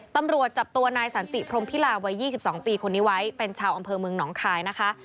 ตำรวจจับตัวนายสันติพรมพิลาวัย๒๒ปีคนนี้ไว้เป็นชาวอำเภอเมืองหนองคายนะคะ